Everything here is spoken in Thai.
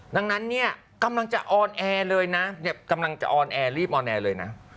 ดังนั้นเนี่ยกำลังจะออนแอร์เลยนะเนี่ยกำลังจะออนแอร์รีบออนแอร์เลยนะ